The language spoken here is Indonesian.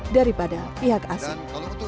daripada pihak asing